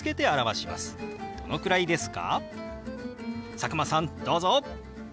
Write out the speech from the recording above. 佐久間さんどうぞ！